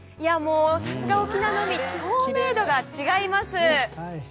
さすが沖縄の海透明度が違います。